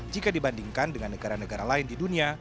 jika dibandingkan dengan negara negara lain di dunia